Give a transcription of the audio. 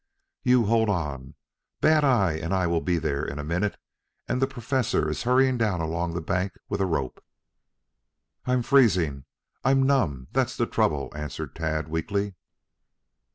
"You hold on. Bad eye and I will be there in a minute and the Professor is hurrying down along the bank with a rope." "I'm freezing. I'm all numb, that's the trouble," answered Tad weakly.